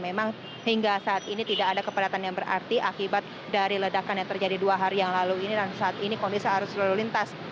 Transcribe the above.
memang hingga saat ini tidak ada kepadatan yang berarti akibat dari ledakan yang terjadi dua hari yang lalu ini dan saat ini kondisi arus lalu lintas